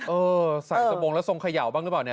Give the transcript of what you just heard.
เออใส่สบงแล้วทรงเขย่าบ้างหรือเปล่าเนี่ย